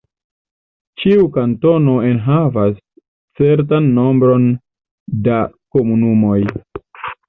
Ĉiu kantono enhavas certan nombron da komunumoj.